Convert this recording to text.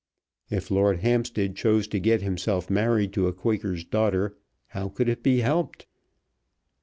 If Lord Hampstead chose to get himself married to a Quaker's daughter, how could it be helped?